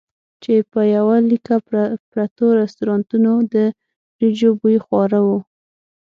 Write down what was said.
چې په یوه لیکه پرتو رستورانتونو د وریجو بوی خواره وو.